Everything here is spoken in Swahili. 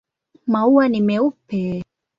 Maua ni meupe.